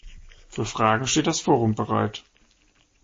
Für Fragen steht das Forum bereit.